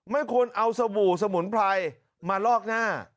ไม่ควรเอาสบู่สมุนไพรมาลอกหน้า